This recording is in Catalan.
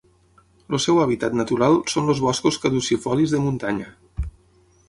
El seu hàbitat natural són els boscos caducifolis de muntanya.